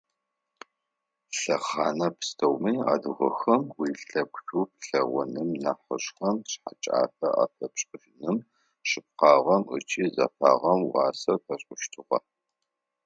Лъэхъэнэ пстэуми адыгэхэм уилъэпкъ шӏу плъэгъуным нахьыжъхэм шъхьэкӏафэ афэпшӏыным, шъыпкъагъэм ыкӏи зэфагъэм уасэ фашӏыщтыгъэ.